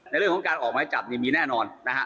ในเรื่องของการออกไม้จับเนี่ยมีแน่นอนนะฮะ